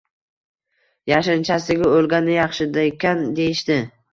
Yashirinchasiga, o‘lgani yaxshidikan deyishdi